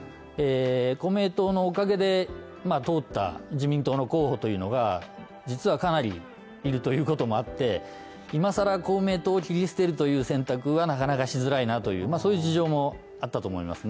公明党のおかげで通った自民党の候補というのが実はかなりいるということもあって、今更公明党、切り捨てるという選択はなかなかしづらいなというそういう事情もあったと思いますね